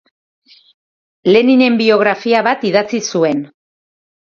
Leninen biografia bat idatzi zuen.